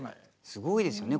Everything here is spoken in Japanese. すごいですよね